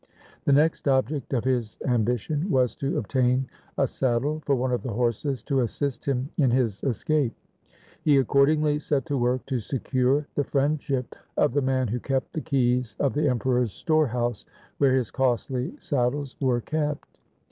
The next object of his ambition was to obtain a saddle for one of the horses to assist him in his escape. He accordingly set to work to secure the friendship of the man who kept the keys of the Emperor's storehouse where his costly saddles were kept.